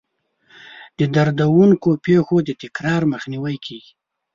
د دردونکو پېښو د تکرار مخنیوی کیږي.